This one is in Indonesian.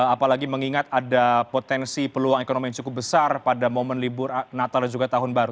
apalagi mengingat ada potensi peluang ekonomi yang cukup besar pada momen libur natal dan juga tahun baru